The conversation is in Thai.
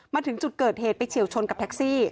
มาถึงจุดเกิดเหตุไปเฉียวชนกับแท็กซี่